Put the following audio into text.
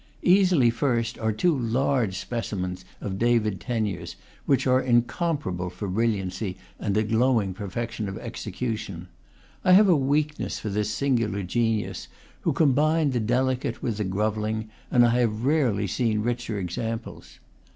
Easily first are two large specimens of David Teniers, which are incomparable for brilliancy and a glowing perfection of execution. I have a weak ness for this singular genius, who combined the delicate with the grovelling, and I have rarely seen richer examples.